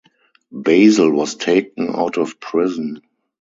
Basil was taken out of prison.